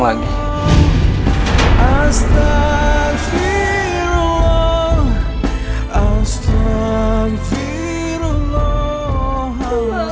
ujjum allah jangan tertolong lagi